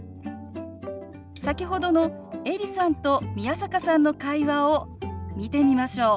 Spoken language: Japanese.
先ほどのエリさんと宮坂さんの会話を見てみましょう。